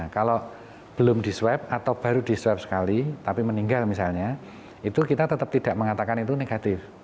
kalau belum disweb atau baru disweb sekali tapi meninggal misalnya itu kita tetap tidak mengatakan itu negatif